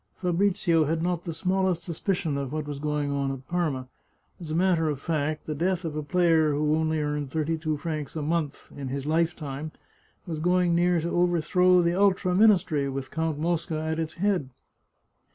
Fabrizio had not the smallest suspicion of what was going on at Parma. As a matter of fact, the death of a player who only earned thirty two francs a month in his lifetime was going near to overthrow the ultra ministry, with Count Mosca at its head.